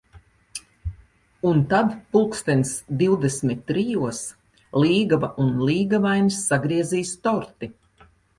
Un tad, pulkstens divdesmit trijos, līgava un līgavainis sagriezīs torti.